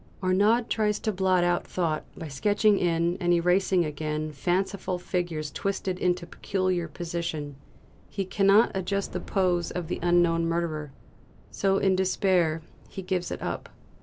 Arnaud tries to blot out thought by sketching in and erasing again fanciful figures twisted into a peculiar position; he cannot adjust the pose of the unknown murderer. So in despair he gives it up.